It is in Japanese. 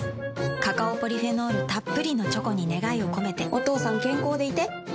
カカオポリフェノールたっぷりのチョコに願いをこめてお父さん健康でいて。